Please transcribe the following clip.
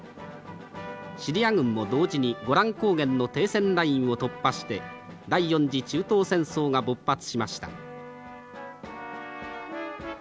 シリア軍も同時にゴラン高原の停戦ラインを突破して第４次中東戦争が勃発しました」。